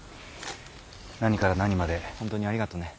何から何まで本当にありがとうね。